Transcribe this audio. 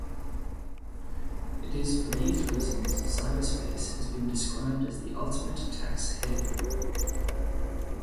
It is for these reasons cyberspace has been described as the ultimate tax haven.